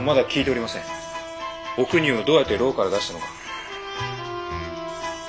おくにをどうやって牢から出したのか。